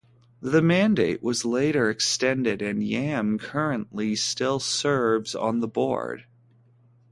This mandate was later extended and Yam currently still serves on the board.